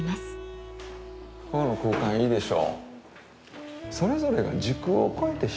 ここの空間いいでしょ。